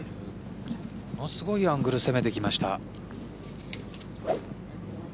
ものすごいアングルを攻めてきました。